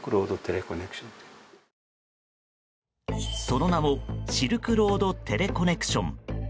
その名もシルクロードテレコネクション。